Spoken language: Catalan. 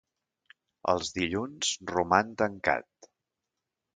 Els Dilluns roman tancat.